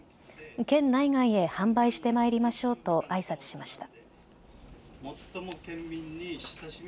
県内外へ販売してまいりましょうとあいさつしました。